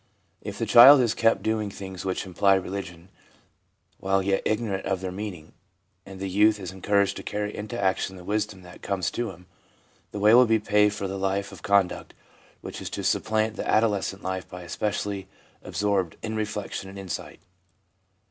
If the child is kept doing things which imply religion, while yet ignorant of their meaning, and the youth is encouraged to carry into action the wisdom that comes to him, the way will be paved for the life of conduct which is to supplant the adolescent life especially absorbed in reflection and insight.